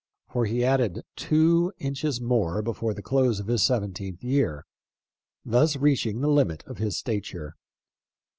38 THE LIFE OF LINCOLN: before the close of his seventeenth year, thus reach ing the limit of his stature.